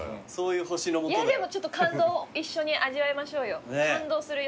いやでもちょっと感動一緒に味わいましょうよ感動するよ。